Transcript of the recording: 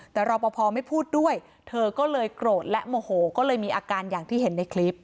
แต่รอปภไม่พูดด้วยเธอก็เลยโกรธและโมโหก็เลยมีอาการอย่างที่เห็นในคลิป